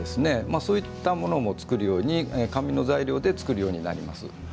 そういったものも紙の材料で作るようになります。